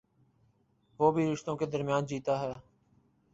وہ بھی رشتوں کے درمیان جیتا ہے۔